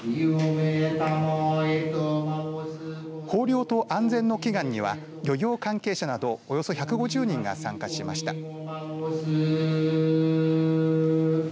豊漁と安全の祈願には漁業関係者などおよそ１５０人が参加しました。